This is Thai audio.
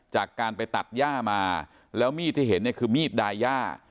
จากการไปตัดย่ามาแล้วมีดที่เห็นเนี่ยคือมีดดาย่า